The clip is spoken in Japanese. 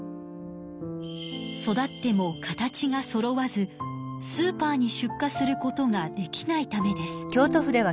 育っても形がそろわずスーパーに出荷することができないためです。